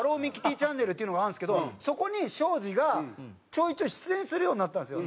チャンネルっていうのがあるんですけどそこに庄司がちょいちょい出演するようになったんですよ。